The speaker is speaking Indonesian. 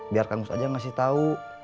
biar kang mus aja ngasih tau